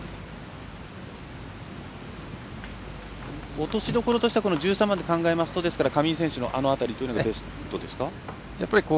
落としどころとしては１３番で考えますと上井選手の辺りがベストですか？